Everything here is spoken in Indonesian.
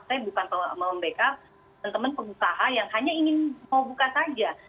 saya bukan membackup teman teman pengusaha yang hanya ingin mau buka saja